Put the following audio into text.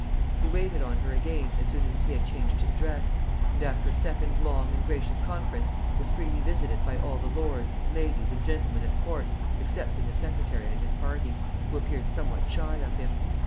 He waited on her again as soon as he had changed his dress; and after a second long and gracious conference, was freely visited by all the lords, ladies, and gentlemen at court, excepting the secretary and his party, who appeared somewhat shy of him.